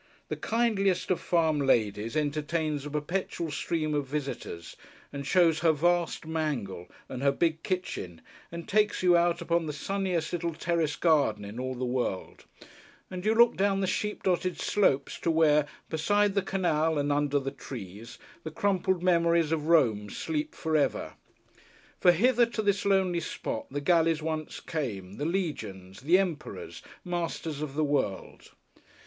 The kindliest of farm ladies entertains a perpetual stream of visitors and shows her vast mangle, and her big kitchen, and takes you out upon the sunniest little terrace garden in all the world, and you look down the sheep dotted slopes to where, beside the canal and under the trees, the crumpled memories of Rome sleep forever. For hither to this lonely spot the galleys once came, the legions, the emperors, masters of the world.